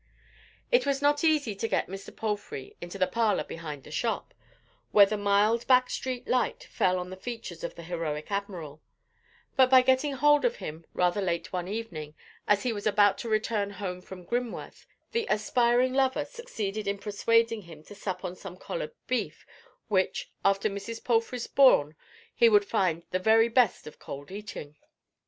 It was not easy to get Mr. Palfrey into the parlour behind the shop, where a mild back street light fell on the features of the heroic admiral; but by getting hold of him rather late one evening as he was about to return home from Grimworth, the aspiring lover succeeded in persuading him to sup on some collared beef which, after Mrs. Palfrey's brawn, he would find the very best of cold eating.